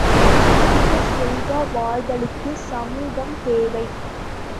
இனிய செல்வ, வாழ்தலுக்குச் சமூகம் தேவை.